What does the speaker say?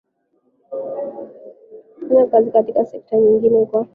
fanyakazi katika sekta nyingine kwa